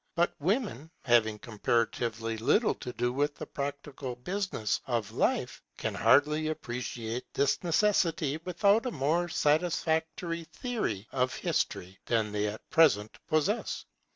But women, having comparatively little to do with the practical business of life, can hardly appreciate this necessity without a more satisfactory theory of history than they at present possess.